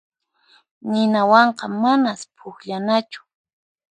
Ninawanqa manas pukllanachu.